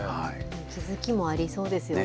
気付きもありそうですよね。